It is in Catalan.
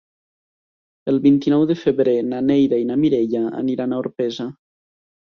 El vint-i-nou de febrer na Neida i na Mireia aniran a Orpesa.